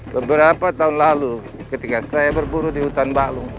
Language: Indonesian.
beberapa tahun lalu ketika saya berburu di hutan baklu